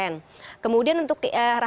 ini juga sudah dikatakan oleh pemilu terpercaya